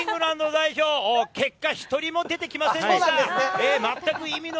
イングランド代表、結果１人も出てきませんでした！